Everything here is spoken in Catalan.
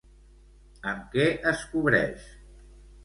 Amb què es cobreix?